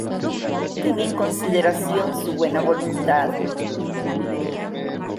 ¡Ten en consideración su buena voluntad!